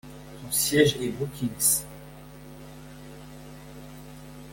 Son siège est Brookings.